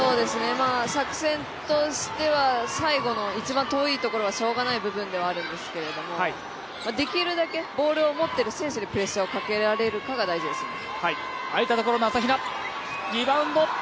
作戦としては最後の一番遠いところはしょうがない部分ではあるんですけどできるだけボールを持っている選手にプレッシャーをかけられるかが大事ですね。